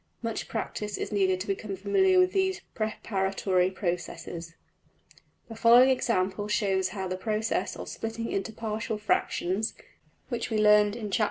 Much practice is needed to become familiar with these preparatory processes. The following example shows how the process of splitting\Pagelabel{partfracs} into partial fractions, which we learned in Chap.